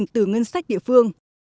từ ngân sách địa phương